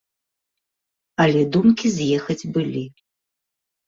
Але думкі з'ехаць былі.